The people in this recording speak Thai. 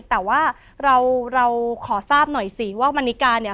แต่ว่าเราเราขอทราบหน่อยสิว่ามันนิกาเนี่ย